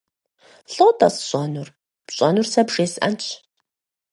- ЛӀо-тӀэ сщӀэнур? - ПщӀэнур сэ бжесӀэнщ.